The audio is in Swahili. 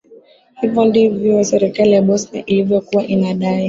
hivyo ndivyo serikali ya bosnia ilivyokuwa inadai